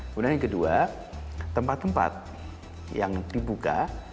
kemudian yang kedua tempat tempat yang dibuka